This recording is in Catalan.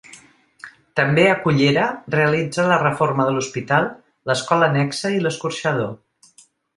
També a Cullera realitza la reforma de l'hospital, l'escola annexa i l'escorxador.